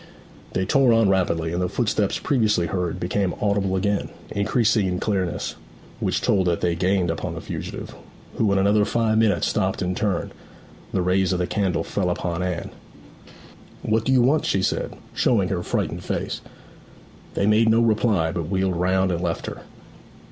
They tore on rapidly, and the footsteps previously heard became audible again, increasing in clearness, which told that they gained upon the fugitive, who in another five minutes stopped and turned. The rays of the candle fell upon Anne. 'What do you want?' she said, showing her frightened face. They made no reply, but wheeled round and left her.